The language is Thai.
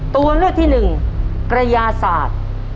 ตัวเลือกที่๑กระยาศาสตร์